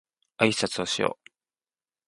あいさつをしよう